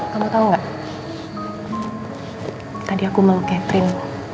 kamu tahu nggak tadi aku melukai trin